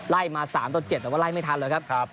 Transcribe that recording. ไล่มา๓ตัว๗แต่ว่าไล่ไม่ทันเลยครับครับ